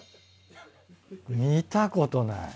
見たことない。